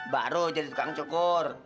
baru jadi tukang cukur